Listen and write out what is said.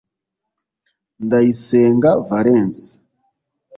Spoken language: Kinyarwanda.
Ndayisenga Valens